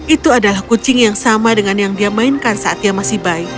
itu adalah kucing yang sama dengan yang dia mainkan saat dia masih bayi